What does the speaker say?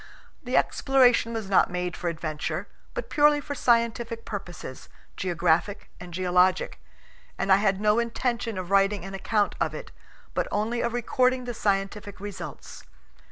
The exploration was not made for adventure, but purely for scientific purposes, geographic and geologic, and I had no intention of writing an account of it, but only of recording the scientific results.